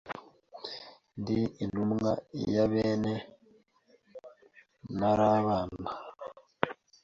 Ndi intumwa ya bene Ntarabana